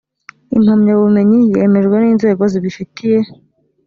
impamyabumenyi yemejwe n’inzego zibifitiye